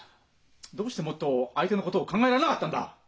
どうしてもっと相手のことを考えられなかったんだ！